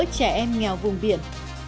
trẻ em nghèo vùng biển